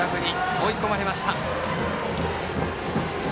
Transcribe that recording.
追い込まれました。